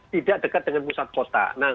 tidak dekat dengan pusat kota